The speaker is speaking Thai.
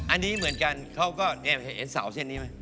อันนี้เหมือนกันเขาก็เห็นเสาเส้นนี้ไหม